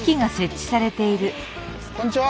こんにちは。